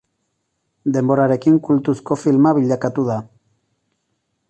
Denborarekin kultuzko filma bilakatu da.